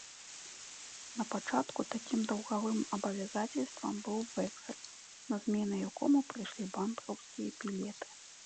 Напачатку такім даўгавым абавязацельствам быў вэксаль, на змену якому прыйшлі банкаўскія білеты.